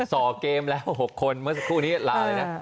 สอบเกมแล้ว๖คนเมื่อสักครู่นี้ลาเลยนะ